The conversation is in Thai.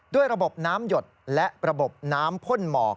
ด้วยระบบน้ำหยดและระบบน้ำพ่นหมอก